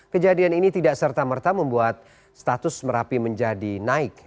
kejadian ini tidak serta merta membuat status merapi menjadi naik